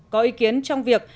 có ý kiến trong việc